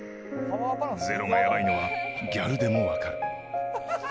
ゼロがやばいのは、ギャルでも分かる。